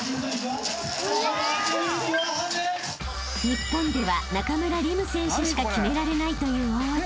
［日本では中村輪夢選手しか決められないという大技］